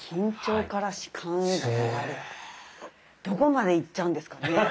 どこまでいっちゃうんですかね。